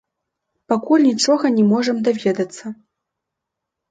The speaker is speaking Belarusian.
Пакуль нічога не можам даведацца.